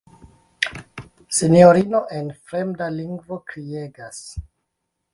Sinjorino en fremda lingvo kriegas.